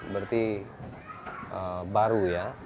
berarti baru ya